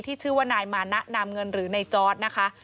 ชื่อว่านายมานะนามเงินหรือในจอร์ดนะคะ